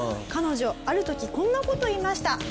彼女ある時こんな事を言いました。